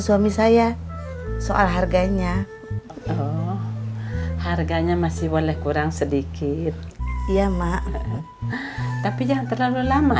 suami saya soal harganya harganya masih boleh kurang sedikit iya mak tapi jangan terlalu lama